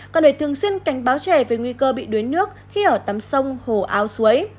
còn để thường xuyên cảnh báo trẻ về nguy cơ bị đuối nước khi ở tắm sông hồ áo suối